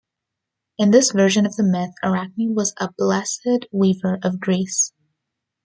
In this version of the myth, Arachne was a blessed weaver of Greece.